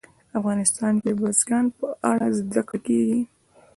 افغانستان کې د بزګان په اړه زده کړه کېږي.